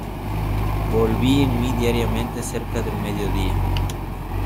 Volvía en mí diariamente cerca del mediodía.